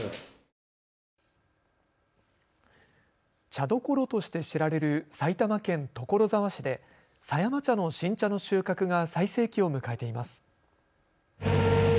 茶どころとして知られる埼玉県所沢市で狭山茶の新茶の収穫が最盛期を迎えています。